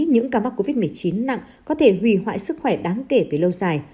những ca mắc covid một mươi chín nặng có thể hủy hoại sức khỏe đáng kể về lâu dài